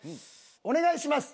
お願いします。